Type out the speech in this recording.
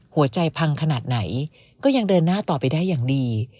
หัวใจพังขนาดไหนก็ยังเดินหน้าต่อไปได้อย่างดี